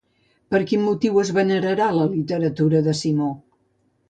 Per quin motiu es venerarà la literatura de Simó?